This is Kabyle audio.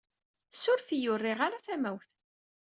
Suref-iyi! Ur rriɣ ara tamawt.